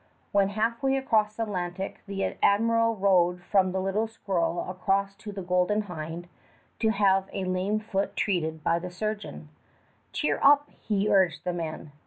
When halfway across the Atlantic the admiral rowed from the little Squirrel across to the Golden Hinde to have a lame foot treated by the surgeon. "Cheer up," he urged the men.